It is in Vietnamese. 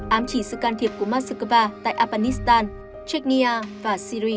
ám chỉ sự can thiệp của moskva tại afghanistan chechnya và syria